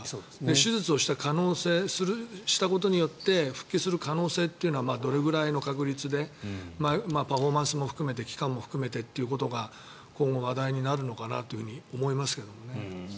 手術をしたことによって復帰する可能性はどれぐらいの確率でパフォーマンスも含めて期間も含めてということが今後話題になるのかなと思いますけどね。